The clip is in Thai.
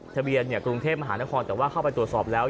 ทะเบียนกรุงเทพมหานครแต่ว่าเข้าไปตรวจสอบแล้ว